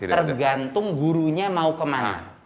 tergantung gurunya mau kemana